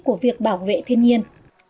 của việc bảo vệ thiên nhiên